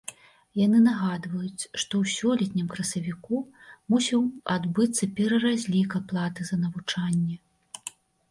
Яны нагадваюць, што ў сёлетнім красавіку мусіў адбыцца пераразлік аплаты за навучанне.